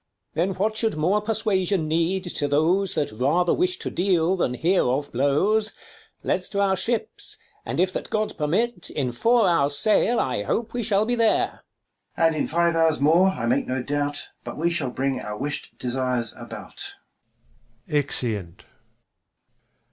King. Then what should more persuasion need to those, That rather wish to deal, than hear of blows ? 40 Let's to our ships, and if that God permit, In four hours' sail, I hope we shall be there. Mum. And in five hours more, I make no doubt, But we shall bring our wish'd desires about. [Exeunt.